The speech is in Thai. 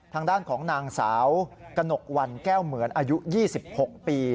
ทางด้านของนางสาวกนกวันแก้วเหมือนอายุ๒๖ปี